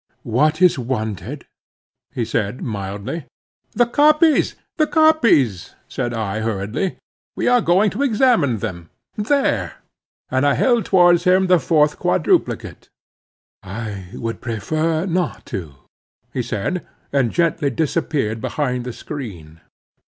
"What is wanted?" said he mildly. "The copies, the copies," said I hurriedly. "We are going to examine them. There"—and I held towards him the fourth quadruplicate. "I would prefer not to," he said, and gently disappeared behind the screen.